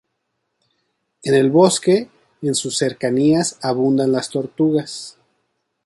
En el bosque en sus cercanías abundan las tortugas.